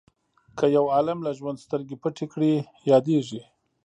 که یو عالم له ژوند سترګې پټې کړي یادیږي.